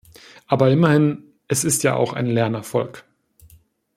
Aber immerhin, es ist ja auch ein Lernerfolg!